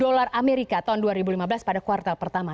dolar amerika tahun dua ribu lima belas pada kuartal pertama